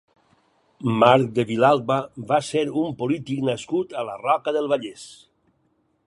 Marc de Vilalba va ser un polític nascut a la Roca del Vallès.